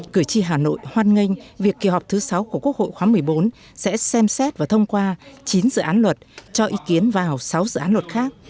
cử tri hà nội hoan nghênh việc kỳ họp thứ sáu của quốc hội khóa một mươi bốn sẽ xem xét và thông qua chín dự án luật cho ý kiến vào sáu dự án luật khác